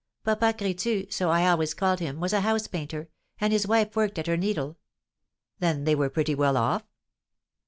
"Papa Crétu, so I always called him, was a house painter, and his wife worked at her needle." "Then they were pretty well off?"